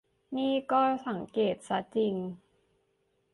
นี่ก็สังเกตซะจริง